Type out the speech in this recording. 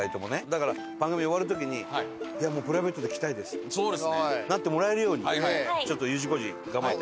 だから番組終わる時に「プライベートで来たいです」ってなってもらえるようにちょっとＵ字工事頑張って。